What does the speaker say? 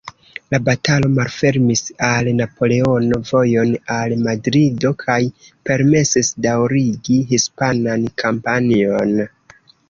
La batalo malfermis al Napoleono vojon al Madrido kaj permesis daŭrigi hispanan kampanjon.